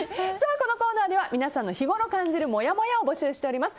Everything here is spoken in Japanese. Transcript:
このコーナーでは皆さんの日ごろ感じるもやもやを募集しています。